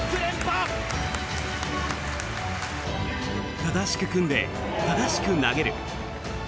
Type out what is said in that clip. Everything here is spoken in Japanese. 正しく組んで、正しく投げる。